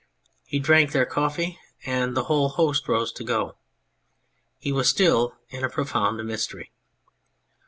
He drank their coffee, and the whole host rose to go. He was still in a profound mystery.